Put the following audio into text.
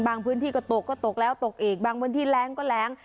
พื้นที่ก็ตกก็ตกแล้วตกอีกบางพื้นที่แรงก็แรง